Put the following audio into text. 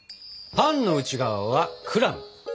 パンの内側はクラム。